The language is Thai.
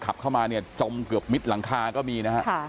ขับเข้ามาเนี่ยจมเกือบมิดหลังคาก็มีนะฮะ